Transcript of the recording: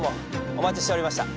お待ちしておりました。